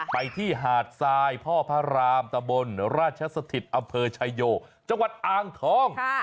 ไปที่หาดทรายพ่อพระรามตะบนราชสถิตอำเภอชายโยจังหวัดอ่างทอง